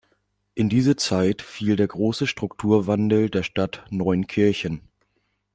In diese Zeit fiel der große Strukturwandel der Stadt Neunkirchen.